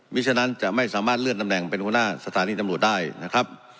ฉะนั้นจะไม่สามารถเลื่อนตำแหน่งเป็นหัวหน้าสถานีตำรวจได้นะครับ